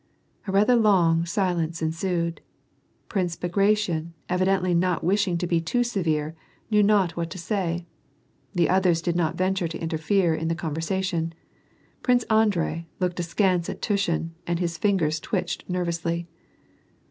A rather long silence ensued. Prince Bagration, evidently not wishing to be too severe, knew not what to say ; the others did not venture to interfere in the conversation. Prince Andrei looked askance at Tushin and his fingers twitched nervously.